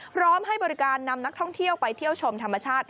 พร้อมให้บริการนำนักท่องเที่ยวไปเที่ยวชมธรรมชาติ